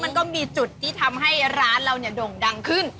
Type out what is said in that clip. มันก็มีจุดที่ทำให้ร้านเราเนี่ยด่งดังขึ้น